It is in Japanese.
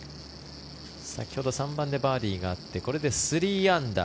先ほど３番でバーディーがあってこれで３アンダー